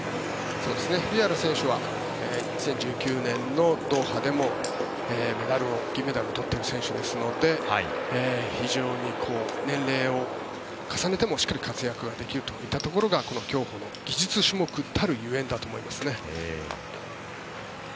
ビエイラ選手は２０１９年のドーハでも銀メダルを取っている選手ですので非常に年齢を重ねても、しっかり活躍できるといったところがこの競歩の技術種目たるゆえんだと思いますね。